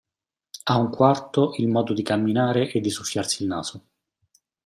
A un quarto il modo di camminare e di soffiarsi il naso.